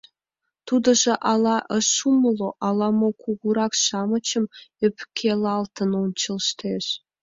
Тудыжо ала ыш умыло, ала-мо, кугурак-шамычым ӧпкелалтын ончыштеш.